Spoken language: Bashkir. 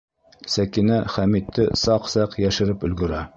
Сәкинә Хәмитте саҡ-саҡ йәшереп өлгөрә.